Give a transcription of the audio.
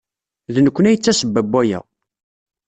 D nekkni ay d tasebba n waya.